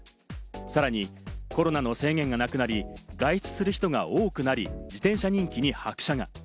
さらにコロナの制限がなくなり、外出する人が多くなり、自転車人気に拍車が。